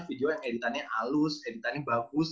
video yang editannya halus editannya bagus